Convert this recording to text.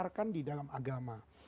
dibenarkan di dalam agama